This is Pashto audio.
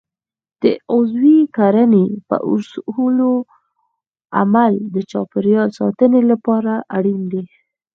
د عضوي کرنې پر اصولو عمل د چاپیریال ساتنې لپاره اړین دی.